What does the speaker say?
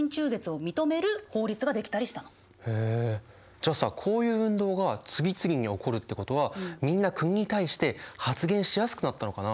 じゃあさこういう運動が次々に起こるってことはみんな国に対して発言しやすくなったのかな。